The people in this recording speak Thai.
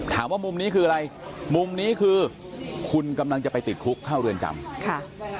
ถามว่ามุมนี้คืออะไรมุมนี้คือคุณกำลังจะไปติดคุกเข้าเรือนจำค่ะ